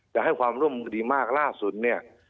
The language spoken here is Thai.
จะให้ความร่วมดีมากล่าศุนย์